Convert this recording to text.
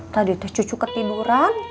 tadi tuh cucu ketiduran